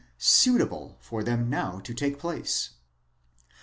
suitable 15 for them now to take place.